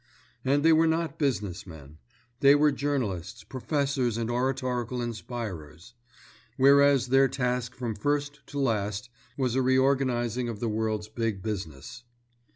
And they were not business men. They were journalists, professors and oratorical inspirers; whereas their task from first to last was a reorganizing of the world's big business.